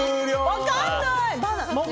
分からない！